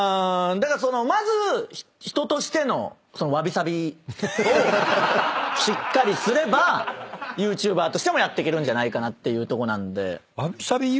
だからそのまず。をしっかりすればＹｏｕＴｕｂｅｒとしてもやっていけるんじゃないかなっていうとこなんで。